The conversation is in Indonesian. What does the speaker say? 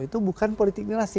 itu bukan politik dinasti